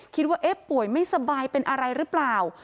คิดว่าเอ๊ะป่วยไม่สบายเป็นอะไรหรือเปล่า